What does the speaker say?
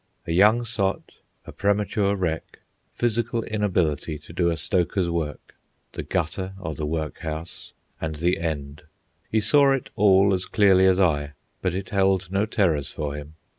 A young sot; a premature wreck; physical inability to do a stoker's work; the gutter or the workhouse; and the end—he saw it all as clearly as I, but it held no terrors for him.